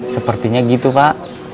sepertinya gitu pak